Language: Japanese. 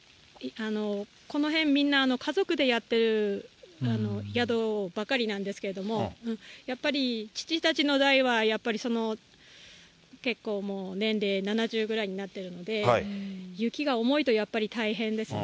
この辺、みんな、家族でやってる宿ばっかりなんですけど、やっぱり、父たちの代はやっぱり結構、もう年齢、７０ぐらいになっているので、雪が重いとやっぱり大変ですね。